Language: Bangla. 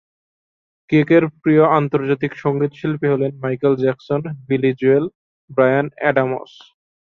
কেকের প্রিয় আন্তর্জাতিক সঙ্গীতশিল্পী হলেন Michael Jackson, Billy Joel, Bryan Adams.